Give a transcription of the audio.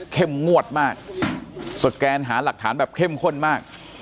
งวดมากสแกนหาหลักฐานแบบเข้มข้นมาก